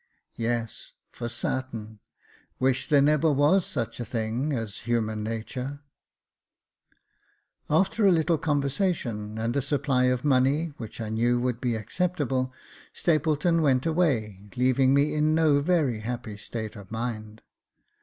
" Yes, for sartain — wish there never was such a thing as human natur ^"^ 4IO Jacob Faithful After a little conversation, and a supply of money, which I knew would be acceptable, Stapleton went away leaving me in no very happy state of mind.